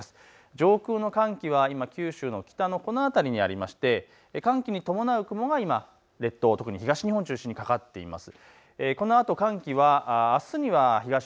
上空の寒気は今、九州のこの辺りにありまして寒気に伴う雲が今列島、特に東日本を中心にかかっています。